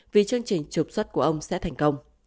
vì chương trình trục xuất của ông sẽ thành công